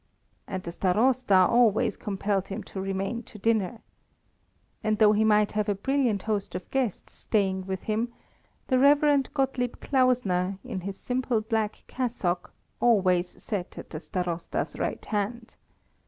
And the Starosta always compelled him to remain to dinner. And though he might have a brilliant host of guests staying with him, the Rev. Gottlieb Klausner, in his simple black cassock, always sat at the Starosta's right hand.